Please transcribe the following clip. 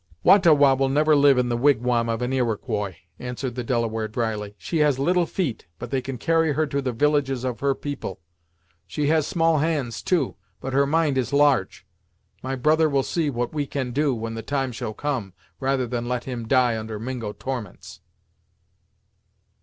"Wah ta Wah will never live in the wigwam of an Iroquois," answered the Delaware drily. "She has little feet, but they can carry her to the villages of her people; she has small hands, too, but her mind is large. My brother will see what we can do, when the time shall come, rather than let him die under Mingo torments."